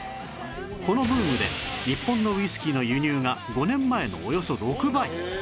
このブームで日本のウイスキーの輸入が５年前のおよそ６倍！